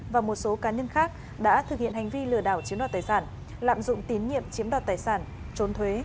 và một số cá nhân khác đã thực hiện hành vi lừa đảo chiếm đoạt tài sản lạm dụng tín nhiệm chiếm đoạt tài sản trốn thuế